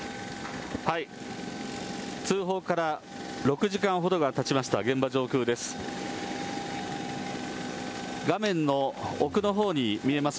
通報から６時間ほどがたちました、現場上空です。